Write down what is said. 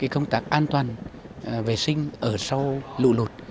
công tác an toàn vệ sinh ở sau lụ lụt